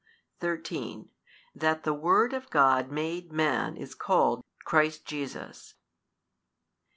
13. That the Word of God made Man is called Christ Jesus.